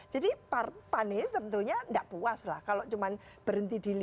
jadi panit tentunya tidak puas lah kalau cuma berhenti di lima enam tujuh